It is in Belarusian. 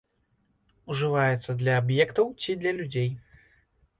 Ужываецца для аб'ектаў ці для людзей.